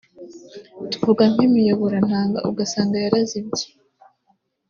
tuvuga nk’imiyoborantanga ugasanga yarazibye